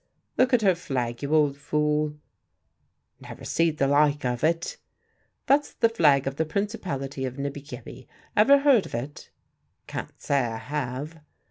"Look at her flag, you old fool." "Never see'd the like of it." "That's the flag of the Principality of Nibby Gibby. Ever heard of it?" "Can't say I have."